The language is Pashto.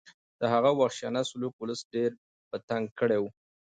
د هغه وحشیانه سلوک ولس ډېر په تنګ کړی و.